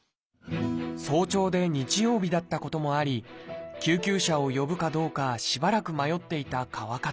早朝で日曜日だったこともあり救急車を呼ぶかどうかしばらく迷っていた川勝さん。